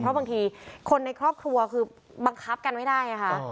เพราะบางทีคนในครอบครัวคือบังคับกันไม่ได้ค่ะ